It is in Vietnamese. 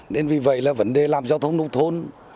nên vì vậy là vấn đề làm giao thông nông thôn